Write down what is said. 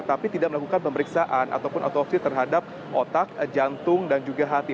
tapi tidak melakukan pemeriksaan ataupun otopsi terhadap otak jantung dan juga hati